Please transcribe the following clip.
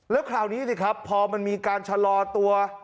แล้วคราวนี้สิครับพอมันมีการชะลอตัว